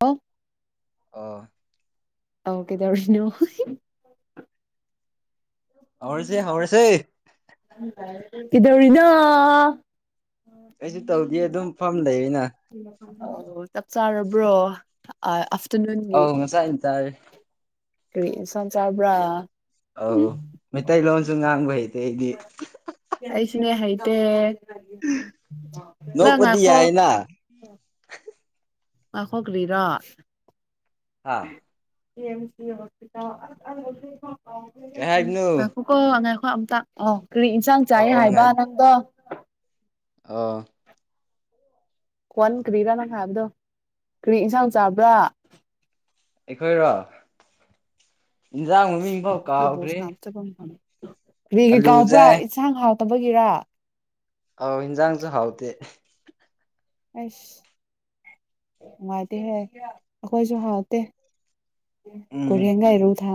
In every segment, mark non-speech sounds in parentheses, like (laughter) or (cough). Hello ꯑꯣ ꯑꯣ ꯀꯩꯗꯧꯔꯤꯅꯣ ꯍꯍꯤ ꯍꯧꯔꯁꯦ ꯍꯧꯔꯁꯦ ꯑꯟꯑꯣꯗꯤꯕꯜ ꯀꯤꯗꯧꯔꯤꯅꯣ ꯀꯩꯁꯨ ꯇꯧꯗꯤꯌꯦ ꯑꯗꯨꯝ ꯐꯝ ꯂꯩꯔꯤꯅ ꯑꯣ ꯆꯥꯛ ꯆꯥꯔꯕ꯭ꯔꯣ ꯑ ꯑꯐ ꯑꯧ ꯉꯁꯥꯏꯟ ꯆꯥꯔꯦ ꯀꯔꯤ ꯏꯟꯁꯥꯡ ꯆꯥꯕ꯭ꯔꯥ ꯑ ꯎꯝ ꯃꯩꯇꯩ ꯂꯣꯟꯁꯨ ꯉꯥꯡꯕ ꯍꯩꯇꯦ ꯑꯩꯗꯤ ꯑꯍꯍ ꯁꯤꯅꯦ ꯍꯩꯇꯦ ꯂ ꯅꯣꯛꯄꯗꯤ ꯉꯥꯏꯈꯣ ꯌꯥꯏꯅ ꯉꯥꯏꯈꯣ ꯒꯔꯤꯔꯥ ꯍꯥꯥ ꯑꯟꯏꯟꯇꯦꯜꯂꯤꯖꯦꯕꯜ ꯀꯩ ꯍꯥꯏꯕꯅꯣ ꯉꯥꯏꯇꯣꯀꯣ ꯉꯥꯏ ꯑꯝꯗꯥ ꯑꯣ ꯀ꯭ꯔꯤ ꯏꯟꯁꯥꯡ ꯆꯥꯏ ꯍꯥꯏꯕ ꯅꯪꯗꯣ ꯑ ꯀꯣꯟ ꯀꯔꯤꯔꯥ ꯅꯪ ꯍꯥꯏꯕꯗꯣ ꯀꯔꯤ ꯏꯟꯁꯥꯡ ꯆꯥꯕ꯭ꯔꯥ ꯑꯩꯈꯣꯏꯔꯣ ꯏꯟꯖꯥꯡ ꯃꯃꯤꯡ ꯐꯥꯎ ꯀꯥꯎꯈ꯭ꯔꯦ ꯒꯦ ꯑꯂꯨ ꯀꯥꯎꯕ꯭ꯔꯥ ꯏꯁꯥꯡ ꯍꯥꯥꯎ ꯇꯕꯒꯤꯔ ꯑ ꯍꯟꯖꯥꯡꯁꯨ ꯍꯥꯎꯗ ꯑꯁ ꯋꯥꯅꯨꯡꯉꯗꯤ ꯍꯥꯏ ꯑꯩꯈꯣꯏꯁꯨꯍꯠꯇ ꯎꯝ ꯀꯣꯔꯤꯉ ꯏꯔꯨ ꯊ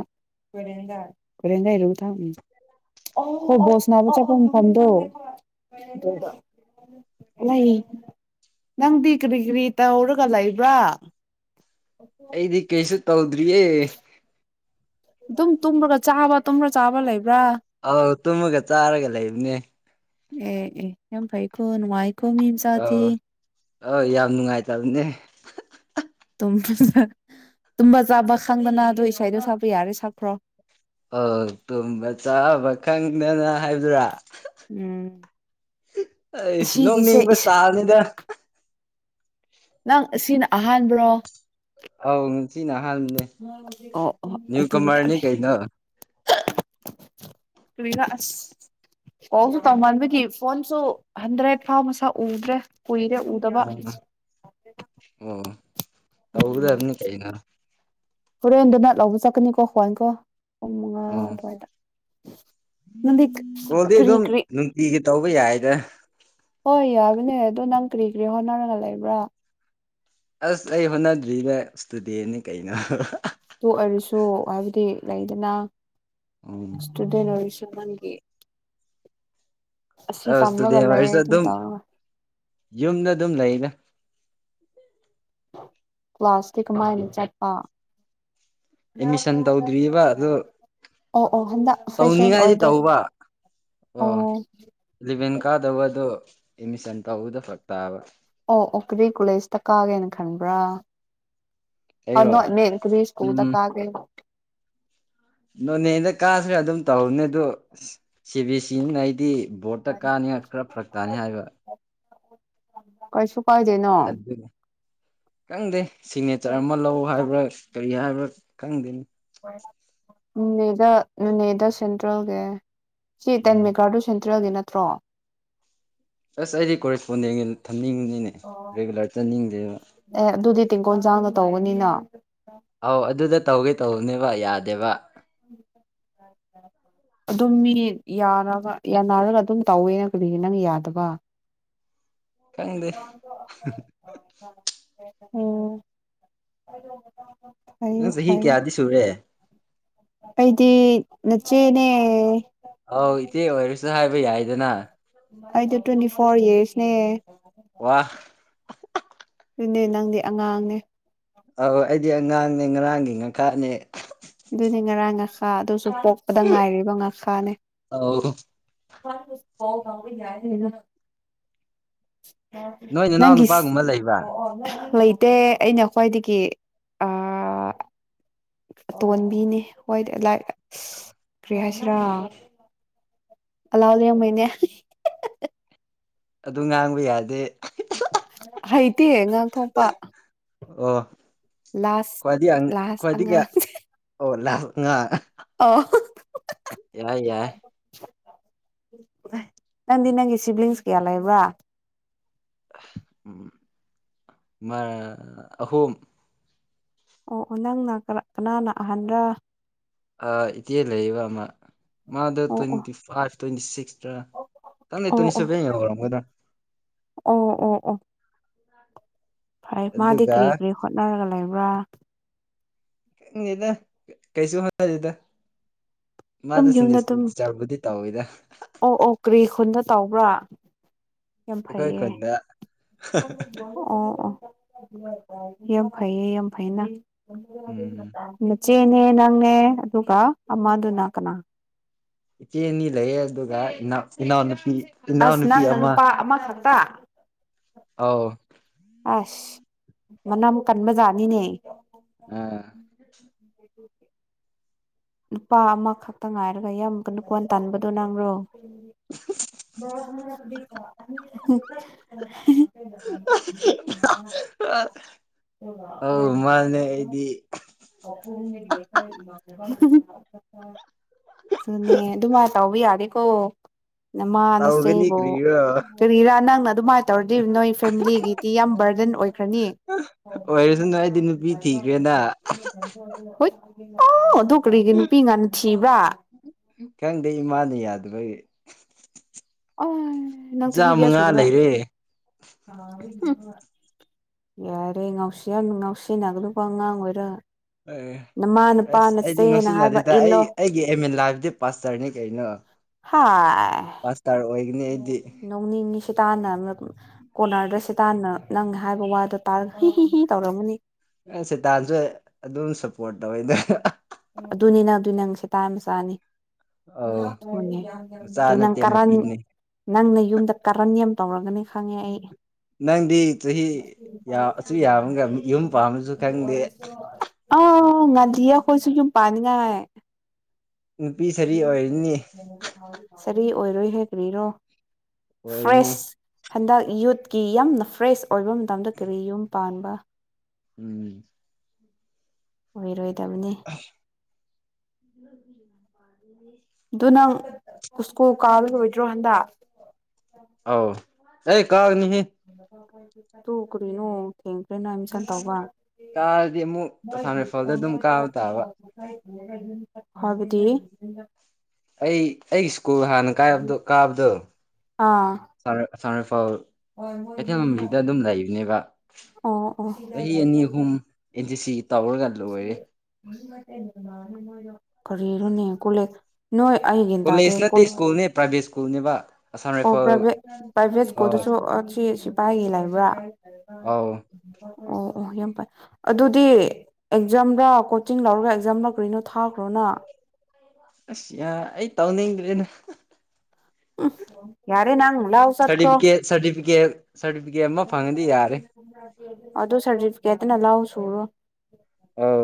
ꯈꯣꯏꯔꯦꯟꯒꯥꯏꯔ ꯊ ꯍꯣ ꯕꯣꯁ ꯅꯥꯕꯨ ꯆꯠꯐꯝ ꯃꯐꯝꯗꯣ ꯂꯩ ꯅꯪꯗꯤ ꯀꯔꯤ ꯀꯔꯤ ꯇꯧꯔꯒ ꯂꯩꯕ꯭ꯔꯥ ꯑꯌꯦ ꯑꯗꯨꯝ ꯇꯨꯝ꯭ꯔꯒ ꯆꯥꯕ ꯇꯨꯝ꯭ꯔꯒ ꯆꯥꯕ ꯂꯩꯕ (unintelligible) ꯑꯧ ꯇꯨꯝꯃꯒ ꯆꯥꯔꯒ ꯂꯩꯕꯅꯦ ꯑꯦ ꯑꯦ ꯌꯥꯝ ꯐ ꯏ ꯈꯨꯣ ꯅꯨꯡꯉꯥꯏ ꯑ ꯑ ꯌꯥꯝ ꯅꯨꯡꯉꯥꯏꯇꯕꯅꯦ ꯇꯨꯝꯕ ꯇꯨꯝꯕ ꯆꯥꯕ ꯈꯪꯗꯅ ꯑꯗꯨꯗꯣ ꯏꯁꯗꯣ ꯁꯥꯕ ꯌꯥꯔꯦ ꯁꯥꯛꯄ꯭ꯔꯣ ꯑꯣ ꯇꯨꯝꯕ ꯆꯥꯕ ꯈꯪꯗꯅ ꯍꯥꯏꯕꯗ꯭ꯔꯥ ꯎꯝ ꯑꯩ ꯑꯁꯤꯒꯤꯁꯦ ꯅꯣꯡꯅꯤꯡꯕꯁ ꯏꯁ ꯇꯥꯕꯅꯤꯗ ꯅꯪ ꯁꯤꯅ ꯑꯍꯥꯟꯕ꯭ꯔꯣ ꯑꯧ ꯅꯨꯁꯤꯅ ꯑꯣ ꯅ꯭ꯌꯨ ꯀꯃꯔꯅꯤ ꯀꯩ ꯅ ꯀꯔꯤꯅꯥ ꯑꯁ ꯑꯣꯁꯨ ꯇꯧꯃꯟꯥꯟꯕꯗꯤ ꯐꯣꯟꯁꯨ ꯍꯟꯗ꯭ꯔꯦꯠ ꯐꯥꯎ ꯃꯁꯛ ꯎꯗ꯭ꯔꯦ ꯀꯨꯏꯔꯦ ꯎꯗꯕ ꯑ ꯑꯣ ꯇꯗ ꯑꯗꯨꯅꯤ ꯀꯅꯔ ꯍꯣꯔꯦꯟꯗꯨꯅ ꯂꯧꯕ ꯆꯠꯀꯅꯤꯀꯣ ꯍꯋꯥꯏ ꯀꯣ ꯄꯨꯡ ꯃꯉꯥ ꯑꯣ ꯑꯗꯨꯋꯥꯏꯗ ꯅꯪꯗꯤ ꯀꯣꯜꯗꯤ ꯀꯔꯤ ꯑꯗꯨꯝ ꯀꯔꯤ ꯅꯨꯡꯇꯤꯒꯤ ꯇꯧꯕ ꯌꯥꯏꯗ ꯍꯣꯏ ꯌꯥꯒꯅꯤ ꯑꯗꯣ ꯅꯪ ꯀꯔꯤ ꯀꯔꯤ ꯍꯣꯠꯅꯔꯒ ꯂꯩꯕ꯭ꯔꯥ ꯑꯁ ꯑꯩ ꯍꯣꯠꯅꯗ꯭ꯔꯤꯅꯦ ꯏꯁꯇꯨꯗꯦꯅꯤ ꯀꯩꯅꯣ ꯇꯣꯛ ꯑꯣꯏꯔꯁꯨ ꯍꯥꯏꯕꯗꯤ ꯂꯩꯗꯅ ꯎꯝ ꯑꯁꯗꯦ ꯅꯣꯔꯤꯁ ꯅꯪꯦ ꯑꯁ ꯑꯗꯨꯗꯤ ꯂꯩ ꯍꯥꯏꯁꯨ ꯑꯗꯨ ꯑꯗꯨꯝ ꯇꯧꯔꯒ ꯌꯨꯝꯗ ꯑꯗꯨꯝ ꯂꯩꯅꯦ ꯀ꯭ꯂ꯭ꯂꯥꯁꯇꯤꯛ ꯑꯃꯥꯏꯅ ꯆꯠꯄ ꯑꯦꯠꯃꯤꯁꯟ ꯇꯧꯗ꯭ꯔꯤꯑꯕ ꯑꯣ ꯑꯣ ꯑꯣ ꯍꯟꯗꯛ ꯐ꯭ꯔꯦꯁꯔ ꯇꯧꯅꯤꯡꯉꯥꯏꯗꯤ ꯑꯣꯏꯗꯣꯏ ꯇꯧꯕ ꯑꯣ ꯏꯂꯚꯦꯟ ꯀꯥꯗꯕ ꯑꯗꯣ ꯑꯦꯠꯃꯤꯁꯟ ꯇꯧꯕꯗ ꯐꯛ ꯇꯥꯕ ꯑꯣ ꯑꯣ ꯀꯔꯤ ꯀꯣꯂꯦꯖꯇ ꯀꯥꯒꯦꯅ ꯈꯟꯕ꯭ꯔꯥ ꯑꯩꯔꯣ ꯅ ꯃꯦꯛꯇ ꯁꯀꯨꯜ ꯎꯝ ꯇꯒ ꯅꯣꯅꯦꯗ ꯀꯥꯁꯨ ꯑꯗꯨꯝ ꯇꯧꯔꯅꯦ ꯑꯗꯣ ꯁꯤ ꯕꯤꯁ ꯁꯤꯅ ꯑꯩꯗꯤ ꯕꯣꯔꯠꯇ ꯀꯥꯅꯤ ꯈꯔ ꯐꯔꯛ ꯇꯥꯅꯤ ꯍꯥꯏꯕ ꯀꯩꯁꯨ ꯄꯥꯏꯗꯅꯣ ꯀꯪꯗꯦ ꯁꯤꯒꯅꯦꯆꯔ ꯑꯃ ꯂꯧ ꯍꯥꯏꯕ꯭ꯔꯥ ꯀꯔꯤ ꯍꯥꯏꯕꯥ ꯄꯨꯛ ꯈꯪꯗꯅꯤ ꯅꯦꯗ ꯅ ꯅꯗ ꯁꯦꯟꯇ꯭ꯔꯦꯜꯒ ꯆ ꯇꯥꯟꯃꯦ ꯎꯝ ꯀꯥ ꯁꯟ ꯍꯇ꯭ꯔꯦꯜꯒꯤ ꯅꯠꯇ꯭ꯔꯣ ꯑꯁ ꯑꯩꯗꯤ ꯀꯣꯔꯦꯁꯄꯣꯟꯗꯦꯟꯒꯤ ꯊꯝꯅꯤꯡꯕꯅꯤꯅꯦ ꯔꯤꯒꯨꯂꯔ ꯆꯠꯅꯤꯡꯗꯦꯕ ꯑꯦ ꯑꯗꯨꯗꯤ ꯇꯦꯡꯀꯣꯟꯖꯥꯡꯅ ꯇꯧꯕꯅꯤꯅ ꯑꯧ ꯑꯗꯨꯗ ꯇꯧꯒꯦ ꯇꯧꯦ ꯅꯕ ꯌꯥꯗꯕ ꯑꯗꯨꯝ ꯃꯤ ꯌꯥꯔꯒ ꯌꯥꯟꯅꯔꯒ ꯑꯗꯨꯝ ꯇꯧꯋꯦꯅ ꯀꯔꯤꯒꯤꯦ ꯅꯪ ꯌꯥꯗꯕ ꯀꯪꯗ ꯎꯝ ꯅꯪ ꯆꯍꯤ ꯀꯌꯥꯗꯤ ꯁꯨꯔꯦ ꯑꯩꯩꯗꯤ ꯅꯆꯦꯅꯦ ꯑꯧ ꯏꯆꯦ ꯑꯣꯏꯔꯁꯨ ꯍꯥꯏꯕ ꯌꯥꯏꯗꯅ ꯑꯩꯗ ꯇ꯭ꯋꯦꯟꯇꯤ ꯐꯣꯔ ꯏꯔꯁꯅꯦ ꯋꯥ ꯑꯗꯨꯅꯦ ꯅꯪꯗꯤ ꯑꯉꯥꯡꯅꯦ ꯀꯔꯅꯦ ꯑꯗꯨꯗꯤ ꯉꯔꯥꯡ ꯉꯥꯈꯥ ꯑꯗꯨꯁꯨ ꯄꯣꯛꯄꯗ ꯉꯥꯏꯔꯤꯕ ꯉꯥꯈꯥꯅꯦ ꯑ ꯍ ꯀꯥꯎ ꯌꯥꯦꯅ ꯅꯣꯏ ꯏꯅꯥꯎ ꯅꯨꯄꯥꯒꯨꯝꯕ ꯂꯩꯕ꯭ꯔꯥ ꯂꯩꯇꯦ ꯑꯩꯅ ꯈ꯭ꯋꯥꯏꯗꯒꯤꯇꯣꯟꯕꯤꯅꯤ ꯈꯣꯏ ꯑꯁ ꯀꯔꯤ ꯍꯥꯏꯁꯔꯥ ꯑꯂꯥꯎ ꯌꯦꯡꯕꯩꯅꯦ ꯑꯗꯨ ꯉꯥꯡꯕ ꯌꯥꯗꯦ ꯍꯩꯇꯦ ꯉꯥꯡꯊꯣꯛꯄ ꯑ ꯂꯥꯁ ꯈꯋꯥꯗꯤ ꯂꯥꯁ ꯈꯋꯥꯗꯤ ꯀ ꯑꯣ ꯂ ꯉ ꯑ ꯌꯥꯏ ꯌꯥꯏ ꯅꯪꯗꯤ ꯅꯪꯒꯤ ꯁꯤꯕ꯭ꯂꯤꯡꯁ ꯀꯌꯥ ꯂꯩꯕ꯭ꯔꯥ ꯎꯝ ꯃ ꯑꯍꯨꯝꯝ ꯑꯣ ꯑꯣ ꯅꯪꯅ ꯀꯅꯥꯅ ꯑꯍꯟꯕ꯭ꯔꯥ ꯑ ꯏ ꯂꯩꯕ ꯑꯃ ꯃꯥꯗ ꯑꯣ ꯑꯣ ꯇ꯭ꯋꯦꯟꯇꯤ ꯐ ꯇ꯭ꯦꯟꯇꯤ ꯁꯤꯛꯁ ꯀ ꯑꯣ ꯑꯣ ꯇꯁꯔꯒꯗ ꯑꯣ ꯐꯩ ꯃꯥꯗꯤ ꯑꯗꯨꯒ ꯀ꯭ꯔꯤ ꯀ꯭ꯔꯤ ꯍꯣꯠꯅꯔꯒ ꯂꯩꯕ ꯋꯥ ꯗ ꯀꯩꯁꯨ ꯍꯅꯦꯗ ꯑꯗꯨꯝ ꯃꯥꯗ ꯁꯤꯁꯤꯡꯖꯦ ꯌꯨꯝꯗ ꯁ꯭ꯀꯨꯜ ꯑꯗꯨꯝ ꯊ ꯆꯥꯒꯗꯤ ꯇꯧꯋꯤꯗ ꯑꯣ ꯑꯣ ꯀꯔꯤ ꯈꯨꯟꯗ ꯇꯧꯕ꯭ꯔꯥ ꯌꯥꯝ ꯑꯩꯈꯣꯏ ꯐꯩꯌꯦ ꯈꯨꯟꯗ ꯑꯣ ꯑꯣ ꯌꯥꯝ ꯐꯩꯌꯦ ꯌꯥꯝ ꯐꯩꯅ ꯎꯝ (unintelligible) ꯆꯦꯅꯦ ꯅꯪꯅꯦ ꯑꯗꯨꯒ ꯑꯃꯗꯨꯅ ꯀꯅꯥ ꯏꯆꯦ ꯑꯅꯤ ꯂꯩꯌꯦ ꯑꯗꯨꯒ ꯏꯅꯥꯎ ꯏꯅꯥꯎꯅꯨꯄꯤ ꯑꯁ ꯏꯅꯥꯎꯅꯨꯄꯤ ꯅꯪꯅ ꯅꯨꯄꯥ ꯑꯃꯈꯛꯇ (unintelligible) ꯑꯥꯎ ꯑꯁ ꯃꯅꯝꯛ ꯀꯟꯕꯖꯥꯠꯅꯤꯅꯦ ꯑꯥ ꯅꯨꯄꯥ ꯑꯃꯈꯛꯇ ꯉꯥꯏꯔꯒ ꯏꯌꯥꯝꯃꯨ ꯅꯨꯀꯣꯟ ꯇꯥꯟꯕꯗꯣ ꯅꯪꯔꯣ ꯎ ꯍ ꯑ ꯃꯥꯅꯦ ꯑꯩꯗꯤ ꯁꯨꯅꯦ ꯑꯗꯨꯃꯥꯏ ꯇꯥꯎꯕ ꯌꯥꯒꯦꯀꯣ ꯇꯧꯒꯅꯤ ꯅꯃꯥꯟꯅꯁꯦꯕꯣ ꯀ꯭ꯔꯤꯔꯣ ꯀꯔꯤ ꯏꯔꯥ ꯅꯪꯅ ꯑꯗꯨ ꯃꯥ ꯇꯧꯔꯗꯣꯏꯔꯤꯕ ꯅꯣꯏ ꯐꯦꯃꯤꯂꯤꯒꯤꯗꯤ ꯌꯥꯝ ꯕꯔꯗꯟ ꯈ꯭ꯔꯅꯤ ꯑꯣꯏꯔꯁꯅꯨ ꯑꯩꯗꯤ ꯅꯨꯄꯤ ꯊꯤꯈ꯭ꯔꯦꯅ ꯍꯠ ꯑꯥꯎ ꯄꯨꯀꯔꯤꯒꯤ ꯅꯨꯄꯤ ꯉꯅ ꯊꯤꯕ ꯈꯤꯪꯗꯩ ꯏꯃꯥꯅ ꯌꯥꯗꯕꯒꯤ ꯑ ꯅꯪ ꯏꯆꯥ ꯆꯍꯤ ꯀꯌꯥ ꯃꯉꯥ ꯁꯨꯔꯕ꯫ ꯂꯩꯔꯦ ꯍꯝ ꯌꯥꯔꯦ ꯉꯥꯎꯁꯤ ꯌꯥꯝ ꯉꯥꯎꯁꯤꯟꯅꯒꯅꯨꯀꫭ ꯑꯉꯥꯡ ꯑꯣꯏꯔꯒ꯫ ꯑꯦ ꯅꯃꯥ ꯅꯄꯥ ꯑꯁ ꯑꯩꯗꯤ ꯅꯆꯦꯅ ꯍꯥꯏꯕ ꯅꯨꯡꯁꯤꯅꯗꯤꯗ ꯑꯩ ꯏꯜꯂꯣ ꯑꯩꯒꯤ ꯑꯦꯝ ꯏꯟ ꯂꯥꯏꯐꯗꯤ ꯄꯥꯁꯇꯔꯅꯤ ꯀꯩꯅꯣ꯫ ꯍꯥ ꯄꯥꯁꯇꯔ ꯑꯣꯏꯒꯅꯤ ꯑꯩꯗꯤ ꯅꯣꯡ ꯅꯤꯅꯤꯁꯤ ꯇꯥꯟꯅ ꯃꯅ ꯗꯨꯝ ꯀꯣꯔꯅꯔꯗ ꯁꯤꯦ ꯇꯥꯟꯟꯅ ꯂꯪꯉꯦ ꯍꯥꯏꯕ ꯋꯥꯗꯣ ꯇꯥꯔꯒ ꯍꯤ ꯍꯤ ꯍꯤ ꯇꯧꯔꯝꯃꯅꯤ ꯑꯦ ꯁꯦꯇꯥꯟꯁꯨ ꯑꯗꯨꯝ ꯁꯞꯄꯣꯔꯠ ꯇꯧꯋꯤꯗ ꯑꯗꯨꯅꯤ ꯅꯪ ꯑꯗꯨ ꯅꯪ ꯁꯦꯇꯥꯟ ꯃꯆꯥꯅꯤ꯫ ꯑꯧ ꯃꯆꯥ ꯑꯗꯨ ꯅꯪ ꯅꯠꯇꯦ ꯀꯥꯔꯟ ꯃꯄꯤꯅꯦ ꯅꯪꯅ ꯌꯨꯝꯗ ꯀꯥꯔꯟ ꯌꯥꯝ ꯇꯧꯔꯒꯅꯤ ꯈꯪꯉꯦ ꯑꯩ꯫ ꯅꯪꯗꯤ ꯆꯍꯤ ꯌꯥ ꯆꯤ ꯌꯥꯝꯑꯒ ꯌꯨꯝ ꯄꯥꯝꯕꯁꯨ ꯈꯪꯗꯦ ꯑ ꯑ꯫ ꯑ ꯉꯥꯗꯤꯑꫭ ꯑꯩꯈꯣꯏꯁꯨ ꯌꯨꯝ ꯄꯥꯅꯤꯡꯉꯥꯏ ꯅꯨꯄꯤ ꯁꯔꯤ ꯑꯣꯏꯔꯅꯤ (unintelligible) ꯐꯔꯤ ꯑꯣꯏꯔꯣꯏ ꯍꯦ ꯀ꯭ꯔꯤꯔꯣ꯫ ꯑꯣꯏꯔꯅꯤ꯫ ꯍꯟꯗꯛ ꯌꯨꯠꯀꯤ ꯌꯥꯝꯅ ꯐ꯭ꯔꯦꯁ ꯑꯣꯏꯕ ꯃꯇꯝꯗ ꯀꯔꯤ ꯌꯨꯝ ꯄꯥꯟꯕ ꯎꯝ ꯑꯣꯏꯔꯣꯏ꯫ ꯇꯕꯅꯤ ꯄꯦ ꯑꯗꯨ ꯅꯪ ꯎꯁꯀꯣ ꯀꯥꯕꯔꯣꯏꯗ꯭ꯔꯣ ꯍꯟꯗ ꯑꯥꯎ ꯑꯦ ꯀꯥꯒꯅꯤ ꯇꯨ ꯎ ꯀꯔꯤꯅꯣ ꯊꯦꯡ ꯗꫭ ꯅꯪ ꯑꯦꯗꯃꯤꯁꯟ ꯇꯧꯕꯥ ꯀꯥꯔꯗꯤ ꯑꯃꯨꯛ ꯑꯁꯥꯝ ꯃꫭꯏꯒꯤ ꯔꯥꯏꯐꯜꯗ ꯑꫭ ꯑꯗꯨꯝ ꯃꫭꯏꯗꯥ ꯀꯥꯕ ꯇꯥꯕ (inaudible) ꯍꯥꯏꯕꯗꯤ ꯑꯩ ꯑꯩ ꯨꯜ ꯍꯥꯟꯅ ꯀꯥꯏꯕ ꯀꯥ ꯑꯕꯗꯣ ꯑꯥ (unintelligible) ꯀꯩꯊꯦꯜꯃꯟꯕꯤꯗ ꯑꯗꯨꯝ ꯂꯩꯕꯅꯦꯕ꯫ ꯑꯣ ꯑꯣ ꯆꯍꯤ ꯑꯅꯤ ꯑꯍꯨꯝ ꯑꯦꯟꯁꯤ ꯁꯤ ꯇꯧꯔꯒ ꯂꯣꯏꯔꯦ ꯃꯅꯤ ꯈꯔꯤꯔꯅꯤ ꯀꯨꯂꯦ ꯅꯣꯏ ꯑꯩꯒꯤ ꯇꯥꯗꯦ ꯀꯣꯂꯦꯖ ꯀꯣ ꯅꯠꯇꯦ ꯁ꯭ꯀꯨꯜꯅꯦ ꯄ꯭ꯔꯥꯏꯚꯦꯠ ꯁ꯭ꯀꯨꯜꯅꯦꯕ ꯑꯁꯥꯝ ꯑꯣ ꯔꯥꯏꯐꯜ ꯄ꯭ꯔꯥꯏꯚꯦꯠ ꯄ꯭ꯔꯥꯏꯚꯦꯠ ꯑꯥ ꯁ꯭ꯀꯨꯜꯗꯨꯁꯨ ꯑꯁꯤ ꯁꯤꯐꯥꯏꯒꯤ ꯂꯩꯕ꯭ꯔꯥ ꯑꯥꯎ ꯑꯣ ꯑꯣ ꯌꯥꯝ ꯐꯥꯏ ꯑꯗꯨꯗꯤ ꯑꯦꯛꯖꯥꯝꯔꯥ ꯀꯣꯆꯤꯡ ꯂꯧꯔꯒ ꯑꯦꯛꯖꯥꯝꯂ ꯀꯔꯤꯅꯣ ꯊꯥꯈ꯭ꯔꯣꯅ꯫ ꯑꯁ ꯌꯥ ꯑꯩ ꯇꯧꯅꯤꯡꯗ꯭ꯔꯦꯅꯦ꯫ ꯌꯥꯔꯦ ꯅꯪꯅ ꯂ ꯆꯠꯈ꯭ꯔꯣ ꯁꯥꯔꯇꯤꯐꯤꯀꯦꯠ ꯁꯥꯔꯇꯤꯐꯤꯀꯦꯠ ꯁꯥꯔꯇꯤꯐꯤꯀꯦꯠ ꯑꯃ ꯐꯪꯉꯗꯤ ꯌꯥꯔꯦ ꯑꯗꯨ ꯁꯥꯔꯇꯤꯐꯤꯀꯦꯠꯇꯅ ꯂ ꯇꯔꯣ ꯑꯥꯎ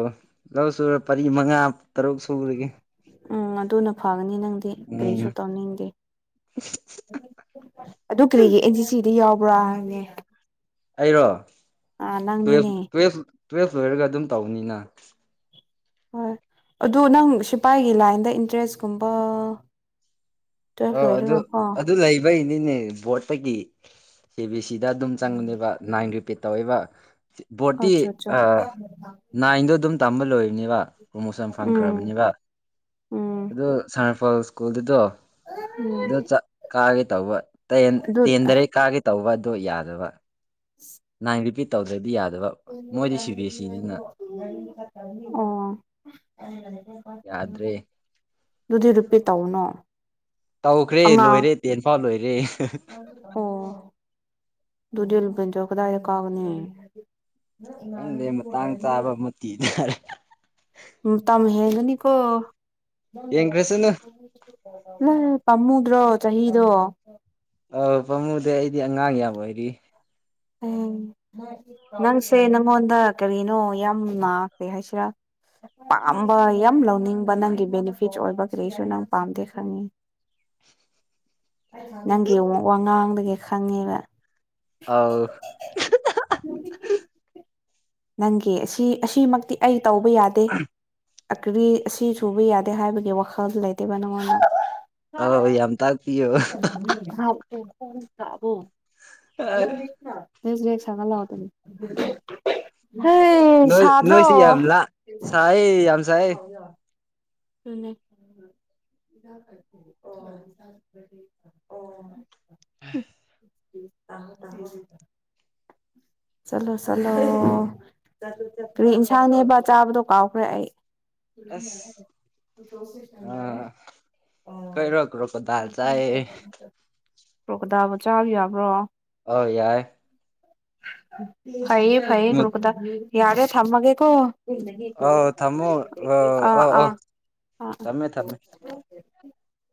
ꯂ ꯁꯨꯔꯨꯔꯞ ꯄꯔꯤ ꯃꯉꯥ ꯇꯔꯨꯛ ꯁꯨꯔꯒꯦ ꯎꯝ ꯑꯗꯨꯅ ꯐꯒꯅꯤ ꯅꯪꯗꯤ ꯎꯝ ꯀꯔꯤꯁꯨ ꯇꯧꯅꯤꯡꯗꯦ ꯑꯗꯨ ꯀꯔꯤꯒꯤ ꯑꯦꯟ ꯁꯤ ꯁꯤ ꯗꯤ ꯌꯥꯎꯕ꯭ꯔꯥ ꯍꯥꯏꯅꯦ ꯑꯩꯔꯣ ꯇꯨꯋꯦꯐ ꯇꯨꯋꯦꯐ ꯇꯨꯋꯦꯜꯐ ꯂꯣꯏꯔꯒ ꯑꯗꯨꯝ ꯇꯧꯧꯕꯅꯤꯅ ꯍꯣꯏ ꯑꯗꯨ ꯅꯪ ꯁꯤꯐꯥꯏꯒꯤ ꯂꯥꯏꯟꯗ ꯏꯟꯇꯔꯦꯁ ꯀꯨꯝꯕ ꯑ ꯑꯗꯨ ꯑꯗꯨ ꯂꯩꯕꯩꯅꯤꯅꯦ ꯣꯠ ꯁꯤꯁ ꯁꯤꯗ ꯑꯗꯨꯝ ꯆꯪꯕꯅꯦꯕ ꯅꯥꯏꯟ ꯔꯤ ꯄꯤ ꯇꯧꯕ ꯕꯣꯔꯠꯇꯤ ꯑꯆꯥ ꯑꯆꯥ ꯑ ꯅꯥꯏꯟꯗꯣ ꯑꯗꯨꯝ ꯇꯝꯕ ꯂꯣꯏ꯫ ꯅꯤꯕ ꯄ꯭ꯔꯣꯃꯣꯁ ꯌꯥꯝ ꯎꯝ ꯐꯪꯈ꯭ꯔꯕꯅꯦꯕ ꯎꯝ ꯑꯣ ꯁꯥꯔ ꯄꯜ ꯁꯀꯨꯜꯗꯨꯗꯣ ꯑꯗꯨ ꯆ ꯀꯥꯒꯦ ꯇꯧꯕ ꯇꯦꯟ ꯑꯗꯨ ꯇꯦꯟꯗꯔꯩ ꯀꯥꯒꯦ ꯇꯧꯕ꯫ ꯇꯣ ꯌꯥꯗꯕ ꯅꯥꯏꯟ ꯔꯤꯄꯤꯠ ꯇꯧꯗꯗꯤ ꯌꯥꯗꯦ (inaudible) ꯑꫭ ꯌꯥꯗ꯭ꯔꯦ ꯑꯗꯨꯗꯤ ꯔꯨꯄꯤꯠ ꯇꯧꯅꯣ ꯇꯧꯈ꯭ꯔꯦ ꯑꯉꯥꯡ ꯂꯣꯏꯔꯦ ꯇꯦꯟꯐꯥꯎ ꯂꯣꯏꯔꯦ꯫ ꯑꯗꯨꯗꯨꯗ ꯆ ꯀꯗꯥ ꯀꯥꯒꯅꯤ ꯈꯪꯗꯦ ꯃꯇꯥꯡ ꯆꯥꯕ ꯃ ꯊꯤ ꯇꯥꯔꯦ꯫ ꯎ ꯇꯝ ꯍꯦꯒꯅꯤꯀꯣ ꯌꯦꯡꯈ꯭ꯔꯁꯅꯨ (unintelligible) ꯏ ꯄꯃꯨꯗ꯭ꯔꯣ ꯆꯍꯤꯗꯣ ꯑ ꯄꯥꯝꯃꯨꯗꯤ ꯑꯩꯗꯤ ꯑꯉꯥꯡ ꯌꯥꯝꯕ ꯑꯣꯏꯔꯤ ꯎ ꯅꯪꯁꯦ ꯅꯪꯉꯣꯟꯗ ꯀꯔꯤꯅꯣ ꯌꯥꯝ ꯅꯥꯀꯦ ꯍꯥꯏꯁꯤꯔꯥ ꯄꯥꯝꯕ ꯌꯥꯝ ꯂꯧꯅꯤꯡꯕ ꯅꯪꯒꯤ ꯕꯦꯅꯤꯐꯤꯠ ꯑꯣꯏꯕ ꯀꯔꯤꯩꯁꯨ ꯅꯪ ꯄꯥꯝꯗꯦ ꯈꯪꯉꯦ ꯅꯪꯒꯤ ꯋꯥꯉꯥꯡꯗꯒꯤ ꯈꯪꯉꯦꯕ (unintelligible) ꯅꯪꯒꯤ ꯑꯁꯤ ꯑꯁꯤꯃꯛꯇꯤ ꯑꯩ ꯇꯧꯕ ꯌꯥꯗꯦ ꯑꯀ꯭ꯔꯤ ꯑꯁꯤ ꯁꯨꯕ ꯌꯥꯗꯦ ꯍꯥꯏꯕꯒꯤ ꯋꯥꯈꯜ ꯂꯩꯇꯦꯕ ꯅꯪꯉꯣꯟꯗ ꯑ ꯌꯥꯝ ꯇꯥꯛꯄꯤꯌꯣ ꯍꯟ ꯇꯕꯣ ꯍꯃ ꯀꯁꯅ ꯁ ꯦꯛ ꯁꯒ ꯂꯑꯣꯇꯅꯦ ꯅꯣꯏ ꯅꯣꯏꯁꯤ ꯌꯥꯝ ꯌꯥꯝꯂ ꯁꯥꯏ ꯌꯥꯝ ꯁꯥꯏꯌꯦ ꯍꯣꯏ ꯌꯥ ꯑꯗꯨꯅꯦ ꯎꯝ ꯇ ꯆꯠꯂꯣ ꯆꯠꯂꯣ ꯆꯠꯠꯇ꯭ꯔꯤ ꯏꯟꯁꯥꯡꯅꯦꯕ ꯆꯥꯕꯗꯣ ꯀꯥꯎꯈ꯭ꯔꯦ ꯑꯩ ꯦ ꯑꯁ ꯑꯥ ꯑ ꯀꯩꯔꯣ ꯀ꯭ꯔꯣꯀꯣꯗꯥꯏꯜ ꯆꯥꯏꯌꯦ ꯄꯣꯀꯗꯥꯕ ꯆꯥꯕ ꯌꯥꯕ꯭ꯔꯣ ꯑ ꯌꯥꯏꯏ (unintelligible) ꯐꯏꯌꯦ ꯐꯌꯦ ꯃꯨꯠ ꯀꯨꯀꯗꯥ ꯌꯥꯔꯦ ꯊꯝꯃꯒꯦꯀꯣ ꯑ ꯊꯝꯃꯣ ꯑ ꯑꯥ ꯑ ꯑ ꯑꯥ ꯑꯥ ꯊꯝꯃꯦ ꯊꯝꯃꯦ